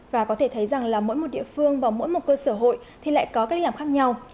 và có thể thấy rằng là mỗi một địa phương và mỗi một cơ sở hội thì lại có cách làm khác nhau